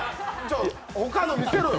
他の、見せろよ。